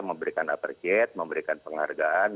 memberikan apresiat memberikan penghargaan